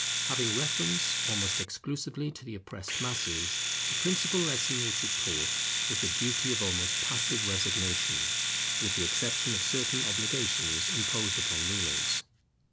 Having reference almost exclusively to the oppressed masses, the principal lesson which it taught was the duty of almost passive resignation, with the exception of certain obligations imposed upon rulers.